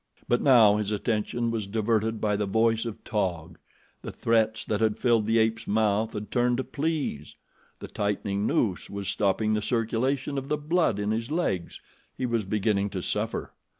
But now his attention was diverted by the voice of Taug. The threats that had filled the ape's mouth had turned to pleas. The tightening noose was stopping the circulation of the blood in his legs he was beginning to suffer.